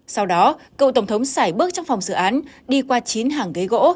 sau đó cựu tổng thống xảy bước trong phòng xử án đi qua chín hàng ghế gỗ